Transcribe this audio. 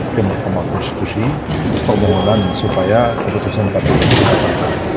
kemakamu institusi permohonan supaya keputusan kpu dapat melakukan